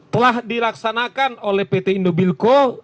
telah dilaksanakan oleh pt indobilco